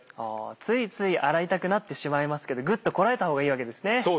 ついつい洗いたくなってしまいますけどぐっとこらえた方がいいわけですね。